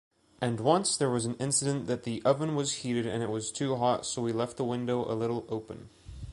And once there was an incident that the oven was heated and it was too hot so we left the window a little open.